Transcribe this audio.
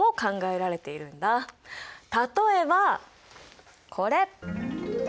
例えばこれ！